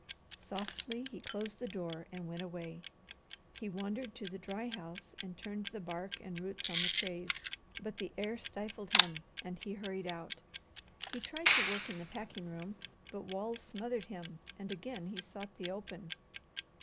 Softly he closed the door and went away. He wandered to the dry house and turned the bark and roots on the trays, but the air stifled him and he hurried out. He tried to work in the packing room, but walls smothered him and again he sought the open.